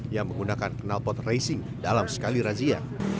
yang menggunakan kenalpot racing dalam sekali razia